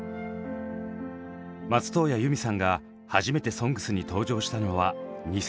松任谷由実さんが初めて「ＳＯＮＧＳ」に登場したのは２００９年。